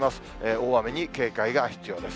大雨に警戒が必要です。